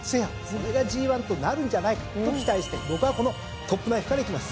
それがＧⅠとなるんじゃないかと期待して僕はこのトップナイフからいきます。